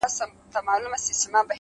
ما مي د هسک وطن له هسکو غرو غرور راوړئ”